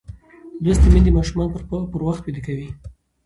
لوستې میندې ماشومان پر وخت ویده کوي.